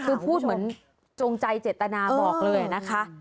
คือพูดเหมือนจงใจเจตนาบอกเลยนะคะ